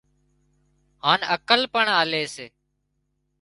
هانَ عقل پڻ آلي سي